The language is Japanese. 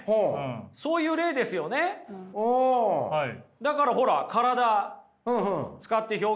だからほら体使って表現。